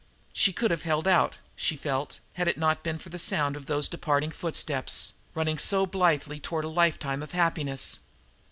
She could have held out, she felt, had it not been for the sound of those departing footsteps, running so blithely toward a lifetime of happiness.